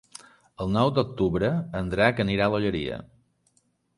El nou d'octubre en Drac anirà a l'Olleria.